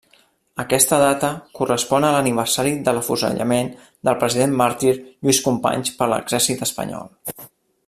Aquesta data correspon a l'aniversari de l'afusellament del president màrtir Lluís Companys per l'exèrcit espanyol.